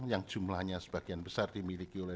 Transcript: yang jumlahnya sebagian besar dimiliki oleh